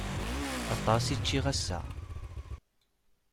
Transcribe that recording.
Aṭas i ččiɣ ass-a.